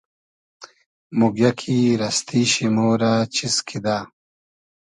موگیۂ کی رئستی شی مۉ رۂ چیز کیدۂ